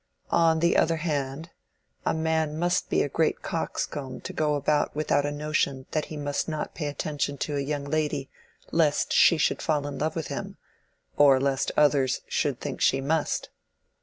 "On the other hand, a man must be a great coxcomb to go about with a notion that he must not pay attention to a young lady lest she should fall in love with him, or lest others should think she must."